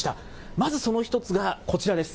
まずその１つがこちらです。